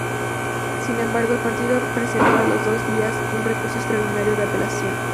Sin embargo, el partido presentó a los dos días un recurso extraordinario de apelación.